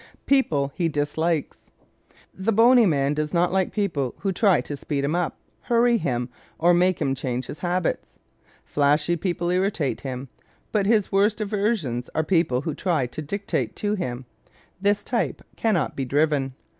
People He Dislikes ¶ The bony man does not like people who try to speed him up, hurry him, or make him change his habits. Flashy people irritate him. But his worst aversions are the people who try to dictate to him. This type can not be driven.